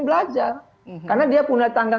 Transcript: belajar karena dia punya